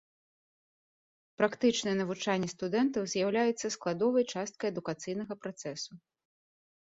Практычнае навучанне студэнтаў з'яўляецца складовай часткай адукацыйнага працэсу.